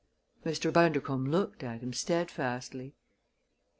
Mr. Bundercombe looked at him steadfastly.